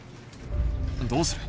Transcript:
どうする？